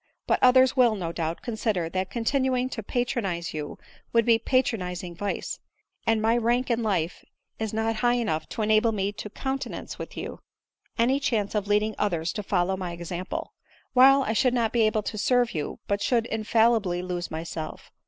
But others will, no doubt, consider, that continuing to patronise you, would be patronising vice ; and my rank in life is not *■>■*■ t m v* . iiu^jm,!^, m ADELINE MOWBRAY. 203 high enough to enable me to countenance you with any chance of leading others to follow my example ; while I should not be able to serve you, but should infallibly lose myself.